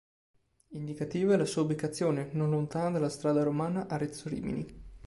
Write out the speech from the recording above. Indicativa è la sua ubicazione, non lontana dalla strada romana Arezzo-Rimini.